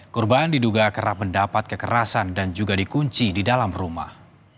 korban diduga kerap mendapat kekerasan dan juga dikunci di dalam rumah